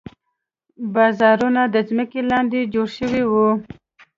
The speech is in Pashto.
بازارونه د ځمکې لاندې جوړ شوي وو.